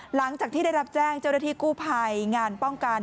หลังจากที่ได้รับแจ้งเจ้าหน้าที่กู้ภัยงานป้องกัน